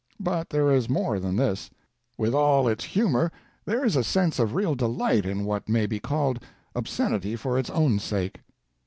But there is more than this; with all its humor there is a sense of real delight in what may be called obscenity for its own sake.